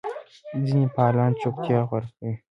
ځینې فعالان چوپتیا غوره کوي.